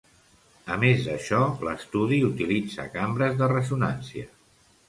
A més d'això, l'estudi utilitza cambres de ressonància.